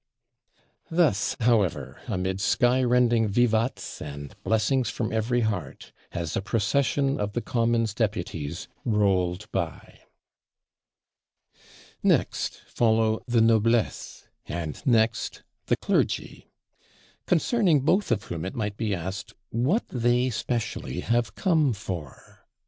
Thus, however, amid sky rending vivats, and blessings from every heart, has the Procession of the Commons Deputies rolled by. Next follow the Noblesse, and next the Clergy; concerning both of whom it might be asked What they specially have come for.